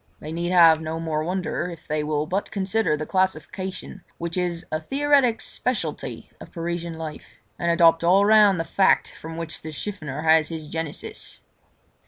They need have no more wonder if they will but consider the classification which is a theoretic speciality of Parisian life, and adopt all round the fact from which the chiffonier has his genesis.